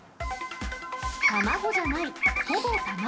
卵じゃない、ほぼ卵。